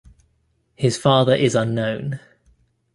His father is unknown.